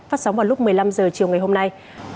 phát sóng vào lúc một mươi năm h chiều ngày hôm nay